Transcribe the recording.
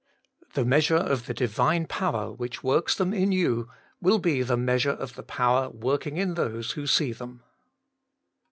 The measure of the Divine power which works them in you will be the measure of the power work ing in those who see them.